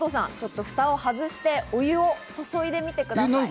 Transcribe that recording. フタを外してお湯を注いでみてください。